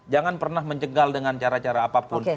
jangan pernah mencegal dengan cara cara apapun